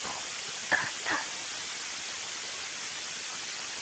奥托米人是墨西哥第五大原住民。